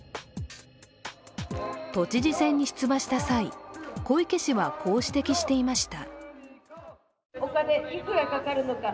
都知事選に出馬した際小池氏はこう指摘していました。